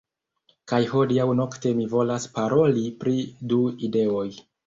Kaj hodiaŭ nokte mi volas paroli pri du ideoj